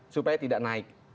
supaya tidak naik